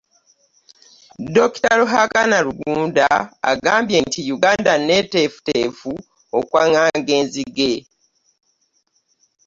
Dokita Ruhakana Rugunda agambye nti Uganda nneeteefuteefu okwanganga enzige